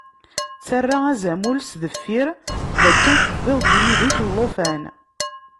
Ttarra azamul s deffir, dakken tewwiḍ-d yid-k llufan.